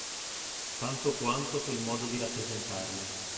Tanto quanto sul modo di rappresentarle.